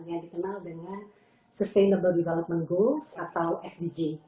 yang dikenal dengan sustainable development goals atau sdg